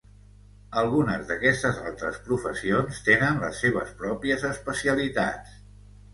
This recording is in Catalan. Algunes d'aquestes altres professions tenen les seves pròpies especialitats.